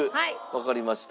わかりました。